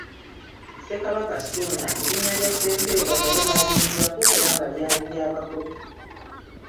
Ssekabaka Ssuuna erinna lya Ssempeebwa naye baalimuggyako kubanga lyali lya bakopi.